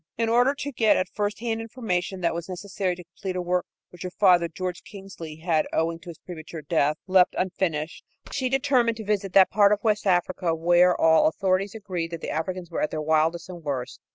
In order to get at first hand information that was necessary to complete a work which her father, George Kingsley, had, owing to his premature death, left unfinished, she determined to visit that part of West Africa "where all authorities agreed that the Africans were at their wildest and worst."